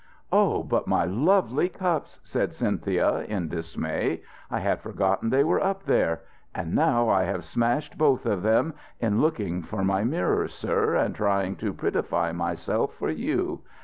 "Oh, but my lovely cups!" said Cynthia, in dismay. "I had forgotten they were up there: and now I have smashed both of them, in looking for my mirror, sir, and trying to prettify myself for you.